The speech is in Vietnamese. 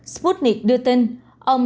sputnik đưa tin